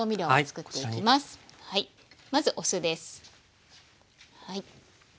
まずお酢ですはい。